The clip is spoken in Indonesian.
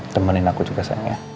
temenin aku juga sayang